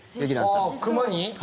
熊に？